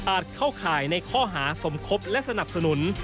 เข้าข่ายในข้อหาสมคบและสนับสนุน